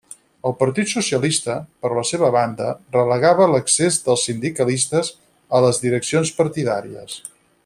El Partit Socialista, per la seva banda, relegava l'accés dels sindicalistes a les direccions partidàries.